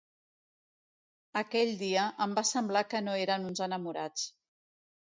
Aquell dia, em va semblar que no eren uns enamorats.